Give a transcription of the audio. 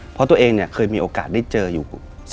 เพราะตัวเองเนี่ยเคยมีโอกาสได้เจออยู่